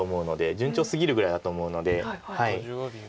順調すぎるぐらいだと思うので。